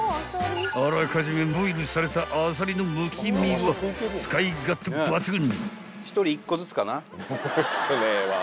［あらかじめボイルされたあさりのむき身は使い勝手抜群］